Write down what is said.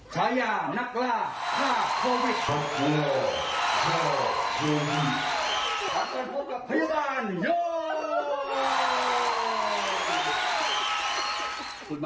ฉายานักล่าฆ่าโควิด